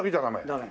ダメ。